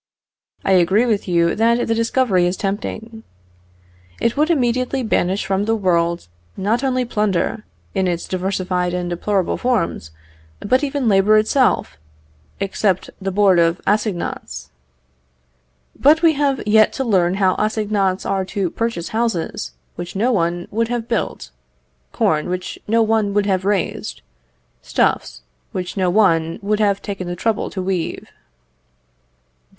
I agree with you that the discovery is tempting. It would immediately banish from the world, not only plunder, in its diversified and deplorable forms, but even labour itself, except the Board of Assignats. But we have yet to learn how assignats are to purchase houses, which no one would have built; corn, which no one would have raised; stuffs, which no one would have taken the trouble to weave.